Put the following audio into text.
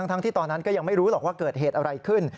ทั้งที่ตอนนั้นก็ยังไม่รู้หรอกว่าเกิดเหตุอะไรขึ้น